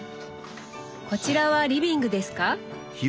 こちらはリビングですか？